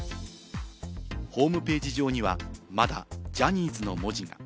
ホームページ上にはまだジャニーズの文字が。